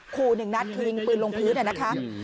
ครูหนึ่งนัดก็ยิงปืนลงพื้นนะคะ